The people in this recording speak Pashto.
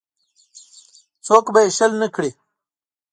څوک به یې شل نه کړي.